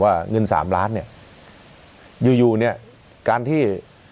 ว่าเงิน๓ล้านเนี่ยยู่เนี่ยการที่